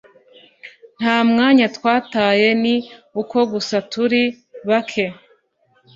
nta mwanya twataye ni uko gusa turi bake